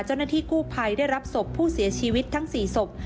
เจ้าหน้าที่กู้ภัยได้รับศพผู้เสียชีวิตทั้ง๔ศพ